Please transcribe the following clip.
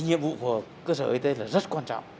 nhiệm vụ của cơ sở y tế là rất quan trọng